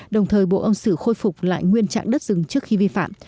đồng thời bộ ông sử khôi phục lại nguyên trạng đất rừng trước khi vi phạm